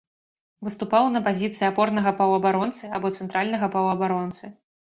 Выступаў на пазіцыі апорнага паўабаронцы або цэнтральнага паўабаронцы.